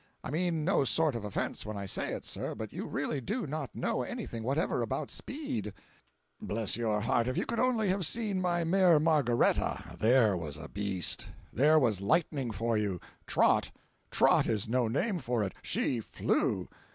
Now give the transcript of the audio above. I mean no sort of offence when I say it, sir, but you really do not know anything whatever about speed. Bless your heart, if you could only have seen my mare Margaretta; there was a beast!—there was lightning for you! Trot! Trot is no name for it—she flew!